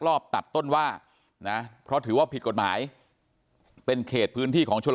รอบตัดต้นว่านะเพราะถือว่าผิดกฎหมายเป็นเขตพื้นที่ของชน